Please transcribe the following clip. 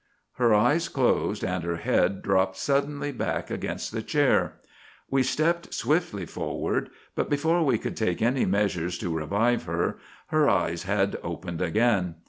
Her eyes closed and her head dropped suddenly back against the chair. We stepped swiftly forward, but before we could take any measures to revive her, her eyes had opened again.